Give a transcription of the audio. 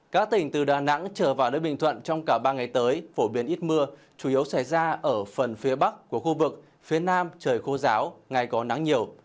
các tỉnh từ đà nẵng trở vào đến bình thuận trong cả ba ngày tới phổ biến ít mưa chủ yếu xảy ra ở phần phía bắc của khu vực phía nam trời khô giáo ngày có nắng nhiều